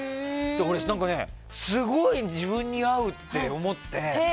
俺、すごい自分に合うって思って。